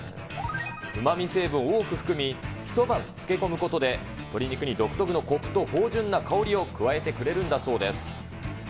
うまみ成分を多く含み、一晩漬け込むことで、鶏肉に独特のこくと芳じゅんな香りを加えてくれるんだそうです。